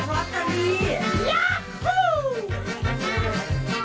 ว๊า